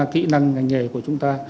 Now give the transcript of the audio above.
kỹ năng ngành nghề của chúng ta